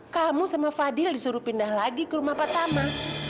kamu sama fadil disuruh pindah lagi ke rumah pertama